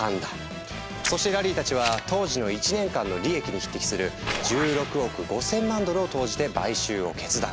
そしてラリーたちは当時の１年間の利益に匹敵する１６億５，０００万ドルを投じて買収を決断。